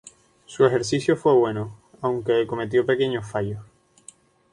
Su ejercicio fue bueno, aunque cometió pequeños fallos.